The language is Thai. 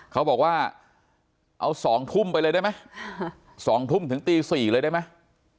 เขาบอกว่าเอา๒ทุ่มไปเลยได้ไหม๒ทุ่มถึงตี๔เลยได้ไหม